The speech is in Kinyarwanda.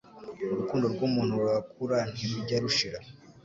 urukundo rw'umuntu rura kura nti rujya rushira